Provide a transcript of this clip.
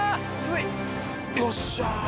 よっしゃー！